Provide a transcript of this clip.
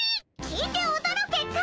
聞いておどろけ「カ」！